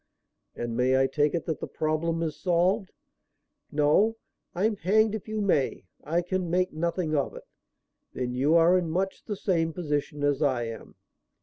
"And may I take it that the problem is solved?" "No, I'm hanged if you may. I can make nothing of it." "Then you are in much the same position as I am."